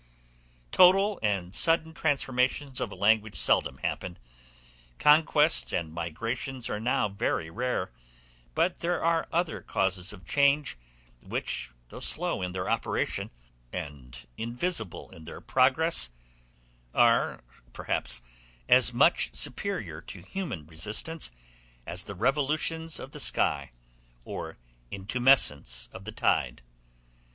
Total and sudden transformations of a language seldom happen; conquests and migrations are now very rare: but there are other causes of change, which, though slow in their operation, and invisible in their progress, are perhaps as much superior to human resistance, as the revolutions of the sky, or intumescence of the tide.